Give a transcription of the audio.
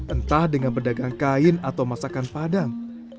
entah dengan pedagang kain atau masakan padang